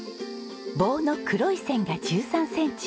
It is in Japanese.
棒の黒い線が１３センチ。